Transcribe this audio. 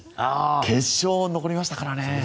決勝に残りましたからね。